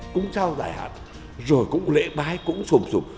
cũng sao đại hạt rồi cũng lễ bái cũng xồm xồm